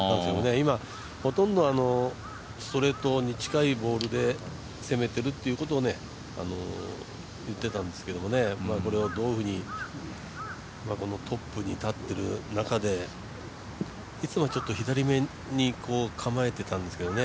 今ほとんどストレートに近いボールで攻めてると言ってたんですけど、これをどういうふうにトップに立っている中でいつも、左目に構えてたんですけどね